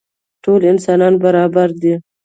ټول انسانان برابر دي.